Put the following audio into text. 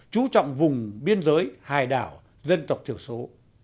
chú trọng vùng biên giới hải đảo dân tộc thiểu số